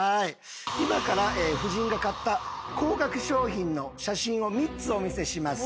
今から夫人が買った高額商品の写真を３つお見せします。